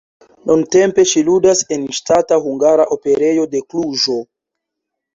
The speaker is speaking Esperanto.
Nuntempe ŝi ludas en Ŝtata Hungara Operejo de Kluĵo.